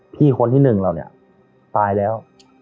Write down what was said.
พี่คนที่หนึ่งเราเนี่ยตายแล้ว